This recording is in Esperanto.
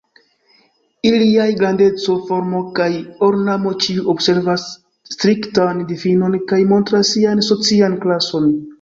Iliaj grandeco, formo kaj ornamo ĉiu observas striktan difinon kaj montras sian socian klason.